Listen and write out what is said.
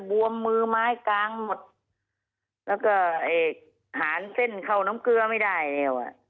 บวมมือไม้กลางหมดแล้วก็ไอ้หารเส้นเข้าน้ำเกลือไม่ได้แล้วอ่ะ